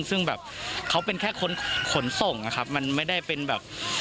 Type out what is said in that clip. ซึ่งแบบเขาเป็นแค่ขนส่งมันไม่ได้เป็นแบบ